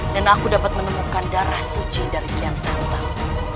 dan aku dapat menemukan darah suci dari kian santang